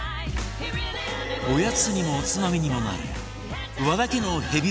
おやつにもおつまみにもなる和田家のヘビロテ！